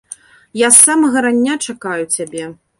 Я з самага рання чакаю цябе.